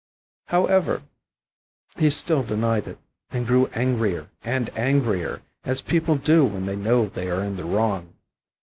However, he still denied it, and grew angrier and angrier, as people do when they know they are in the wrong.